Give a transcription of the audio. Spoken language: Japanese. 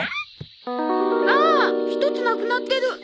あっ１つなくなってる！